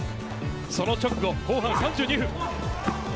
その直後、後半３２分。